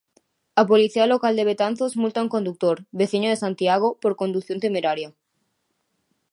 A Policía Local de Betanzos multa un condutor, veciño de Santiago, por condución temeraria.